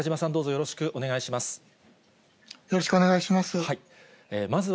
よろしくお願いします。